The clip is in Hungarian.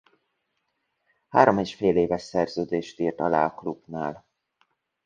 Három és fél éves szerződést írt alá a klubnál.